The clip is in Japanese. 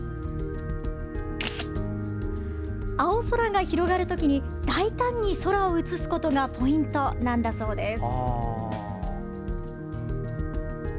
青空が広がる時に大胆に空を写すことがポイントなんだそうです。